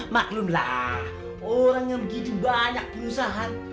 maklumlah orang yang begitu banyak perusahaan